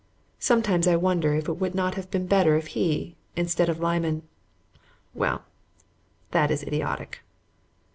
Sometimes I wonder if it would not have been better if he, instead of Lyman Well, that is idiotic.